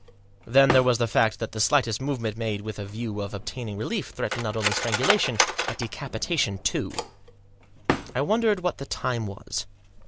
Then there was the fact that the slightest movement made with a view of obtain ing relief threatened not only strangulation but de capitation too. I wondered what the time was.